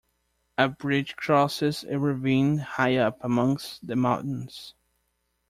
A bridge crosses a ravine high up amongst the mountains.